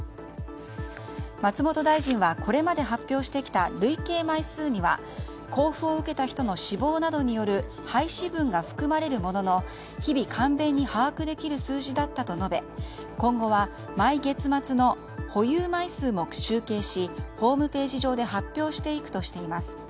松本大臣はこれまで発表してきた累計枚数には交付を受けた人の死亡などによる廃止分が含まれるものの日々簡便に把握できる数字だったと述べ今後は毎月末の保有枚数も集計しホームページ上で発表していくとしています。